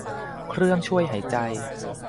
เครื่องช่วยหายใจ